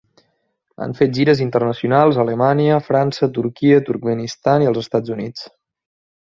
Han fet gires internacionals a Alemanya, França, Turquia, Turkmenistan i els Estats Units.